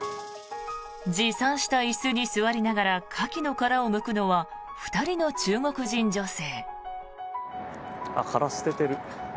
持参した椅子に座りながらカキの殻をむくのは２人の中国人女性。